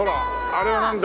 あれはなんだ？